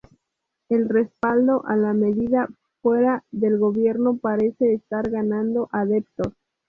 El respaldo a la medida fuera del gobierno parece estar ganando adeptos.